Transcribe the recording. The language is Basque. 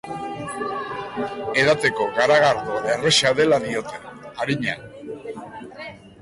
Edateko garagardo erraza dela diote, arina.